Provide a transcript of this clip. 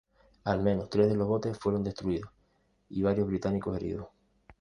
Al menos tres de los botes fueron destruidos y varios británicos heridos.